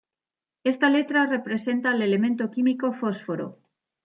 Esta letra representa al elemento químico fósforo.